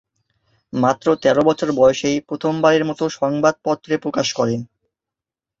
মাত্র তেরো বছর বয়সেই প্রথমবারের মতো সংবাদপত্রে প্রকাশ করেন।